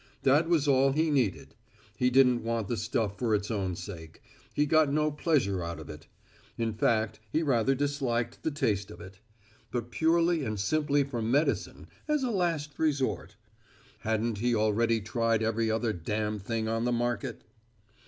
That was all he needed. He didn't want the stuff for its own sake. He got no pleasure out of it. In fact he rather disliked the taste of it. But purely and simply for medicine, as a last resort. Hadn't he already tried every other damn thing on the market?